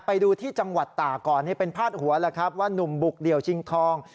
ไปดูที่จังหวัดตาก่อนนี่เป็นพาดหัวแล้วครับว่านุ่มบุกเดี่ยวชิงทอง